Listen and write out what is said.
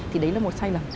thì đấy là một sai lầm